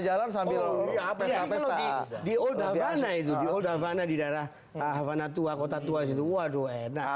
jalan sambil di upload karena itu di old havana di daerah havana tua kota tua situ waduh enak